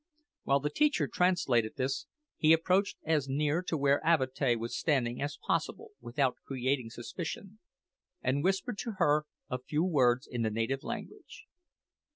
While the teacher translated this, he approached as near to where Avatea was standing as possible without creating suspicion, and whispered to her a few words in the native language.